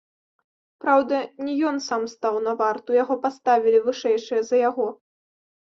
Праўда, не ён сам стаў на варту, яго паставілі вышэйшыя за яго.